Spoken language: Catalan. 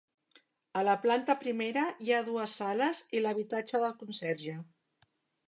A la planta primera hi ha dues sales i l'habitatge del conserge.